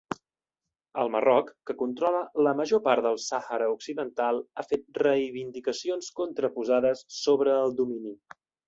El Marroc, que controla la major part del Sàhara Occidental, ha fet reivindicacions contraposades sobre el domini.